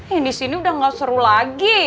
yang disini udah gak seru lagi